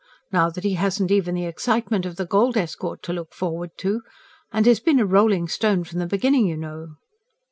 Now that he hasn't even the excitement of the gold escort to look forward to.... And he's been a rolling stone from the beginning, you know."